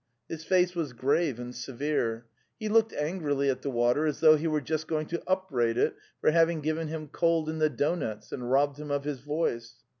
His face was grave and severe. He looked angrily at the water, as though he were just going to up braid it for having given him cold in the Donets and robbed him of his voice.